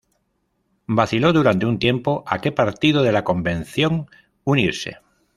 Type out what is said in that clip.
Vaciló durante un tiempo a que partido de la Convención unirse.